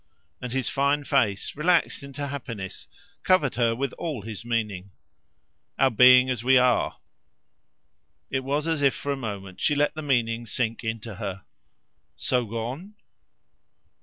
And his fine face, relaxed into happiness, covered her with all his meaning. "Our being as we are." It was as if for a moment she let the meaning sink into her. "So gone?"